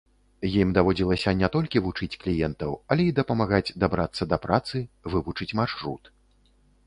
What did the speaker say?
Ім даводзілася не толькі вучыць кліентаў, але і дапамагаць дабрацца да працы, вывучыць маршрут.